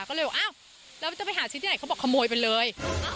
ก็เลยบอกอ้าวแล้วจะไปหาชิ้นที่ไหนเขาบอกขโมยไปเลย